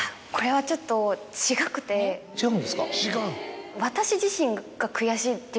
違うんですか。